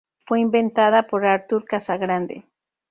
Fue inventada por Arthur Casagrande.